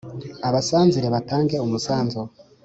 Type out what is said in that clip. abasanzire batange umusanzu